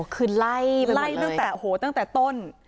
คือไล่ไปหมดเลยไล่ตั้งแต่ต้น